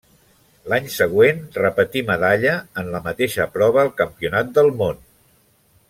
L'any següent repetí medalla en la mateixa prova al Campionat del món.